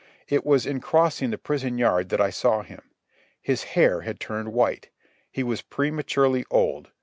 It was in crossing the Prison Yard that I saw him. His hair had turned white. He was prematurely old.